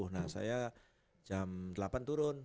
nah saya jam delapan turun